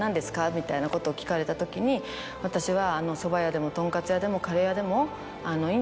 みたいなことを聞かれた時に私は。